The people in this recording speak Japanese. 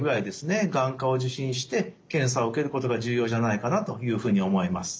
眼科を受診して検査を受けることが重要じゃないかなというふうに思います。